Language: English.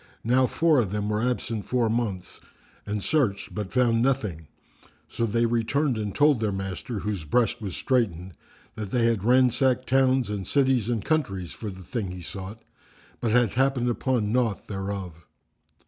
Now, four of them were absent four months, and searched but found nothing; so they returned and told their master, whose breast was straitened, that they had ransacked towns and cities and countries for the thing he sought, but had happened upon naught thereof.